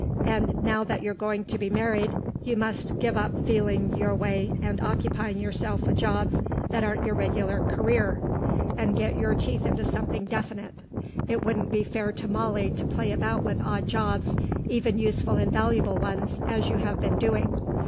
And now that you're going to be married, you must give up feeling your way and occupying yourself with jobs that aren't your regular career, and get your teeth into something definite. It wouldn't be fair to Molly to play about with odd jobs, even useful and valuable ones, as you have been doing.